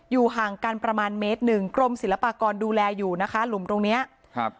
ห่างกันประมาณเมตรหนึ่งกรมศิลปากรดูแลอยู่นะคะหลุมตรงเนี้ยครับ